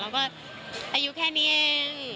เราก็อายุแค่นี้เอง